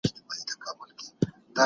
ايا دولت کولی سي عرضه لوړه کړي؟